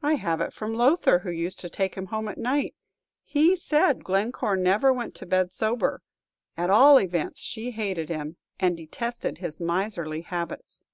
"I have it from Lowther, who used to take him home at night; he said Glencore never went to bed sober! At all events, she hated him, and detested his miserly habits."